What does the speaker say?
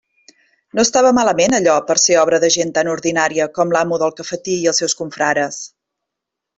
No estava malament allò per a ser obra de gent tan ordinària com l'amo del cafetí i els seus confrares.